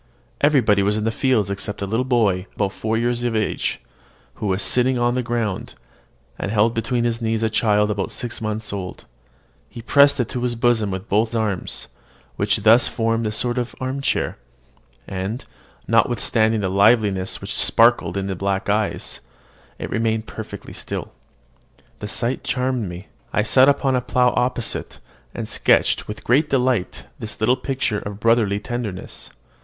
Everybody was in the fields except a little boy about four years of age, who was sitting on the ground, and held between his knees a child about six months old: he pressed it to his bosom with both arms, which thus formed a sort of arm chair; and, notwithstanding the liveliness which sparkled in its black eyes, it remained perfectly still. The sight charmed me. I sat down upon a plough opposite, and sketched with great delight this little picture of brotherly tenderness.